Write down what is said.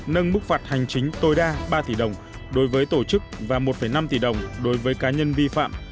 nâng mức phạt hành chính tối đa ba tỷ đồng đối với tổ chức và một năm tỷ đồng đối với cá nhân vi phạm